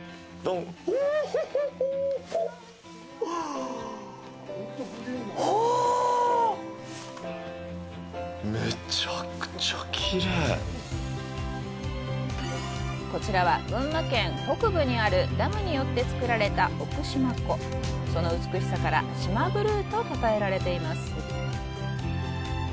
おほほほおぉめちゃくちゃきれいこちらは群馬県北部にあるダムによって作られた奥四万湖その美しさから四万ブルーとたたえられています